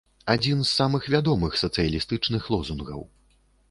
Адзін з самых вядомых сацыялістычных лозунгаў.